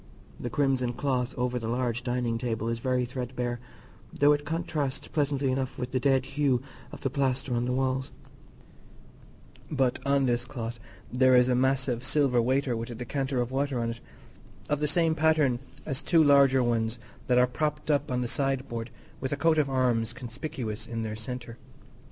The crimson cloth over the large dining table is very threadbare, though it contrasts pleasantly enough with the dead hue of the plaster on the walls; but on this cloth there is a massive silver waiter with a decanter of water on it, of the same pattern as two larger ones that are propped up on the sideboard with a coat of arms conspicuous in their centre.